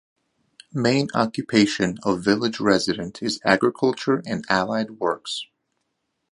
Main occupation of village resident is agriculture and allied works.